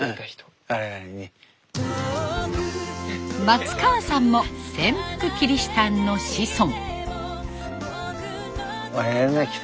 松川さんも潜伏キリシタンの子孫。